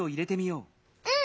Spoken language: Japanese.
うん！